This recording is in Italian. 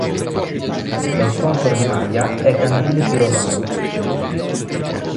Lo sponsor di maglia è Cantine Pirovano.